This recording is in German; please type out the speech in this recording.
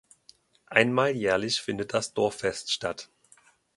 Einmal jährlich findet das Dorffest statt.